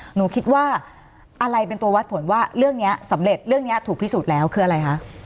หนูคิดว่าอะไรเป็นตัววัดผลว่าเรื่องนี้สำเร็จเรื่องนี้ถูกพิสูจน์แล้วคืออะไรคะ